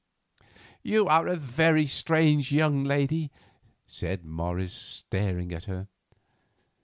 "You are a very strange young lady," said Morris, staring at her.